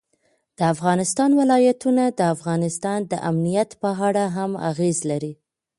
د افغانستان ولايتونه د افغانستان د امنیت په اړه هم اغېز لري.